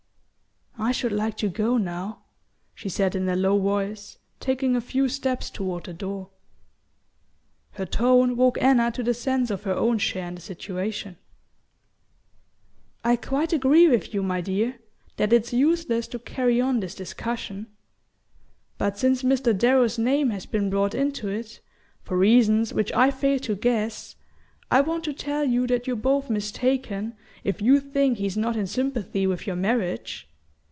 "I should like to go now," she said in a low voice, taking a few steps toward the door. Her tone woke Anna to the sense of her own share in the situation. "I quite agree with you, my dear, that it's useless to carry on this discussion. But since Mr. Darrow's name has been brought into it, for reasons which I fail to guess, I want to tell you that you're both mistaken if you think he's not in sympathy with your marriage.